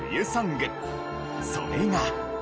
それが。